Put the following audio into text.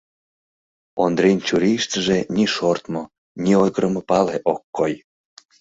Ондрен чурийыштыже ни шортмо, ни ойгырымо пале ок кой.